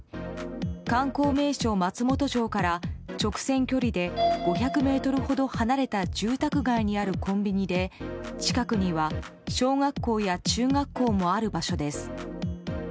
観光名所・松本城から直線距離で５００ｍほど離れた住宅街にあるコンビニで近くに小学校や中学校もある場所です。